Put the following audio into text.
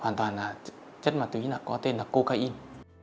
hoàn toàn là chất mặt túy có tên là cocaine